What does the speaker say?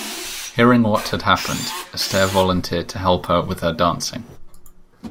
Hearing what had happened, Astaire volunteered to help her with her dancing.